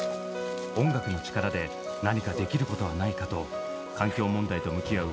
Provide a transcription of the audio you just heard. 音楽の力で何かできることはないかと環境問題と向き合う